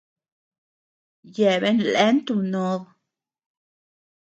Yeabean leantu nod.